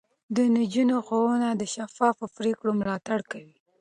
د نجونو ښوونه د شفافو پرېکړو ملاتړ کوي.